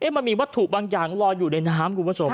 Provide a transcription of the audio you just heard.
มันมีวัตถุบางอย่างรอยอยู่ในน้ำ